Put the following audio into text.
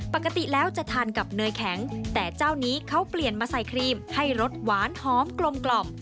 ปกติแล้วจะทานกับเนยแข็งแต่เจ้านี้เขาเปลี่ยนมาใส่ครีมให้รสหวานหอมกลม